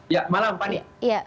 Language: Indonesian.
ya malam pani